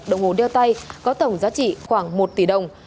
đồng hồ đeo tay có tổng giá trị khoảng một tỷ đồng